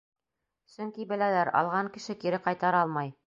Сөнки беләләр: алған кеше кире ҡайтара алмай.